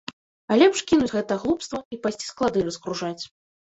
А лепш кінуць гэта глупства і пайсці склады разгружаць.